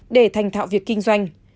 để thành thạo việc kinh doanh